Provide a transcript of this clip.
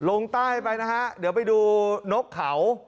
ลงใต้ไปนะฮะเดี๋ยวไปดูนกเขา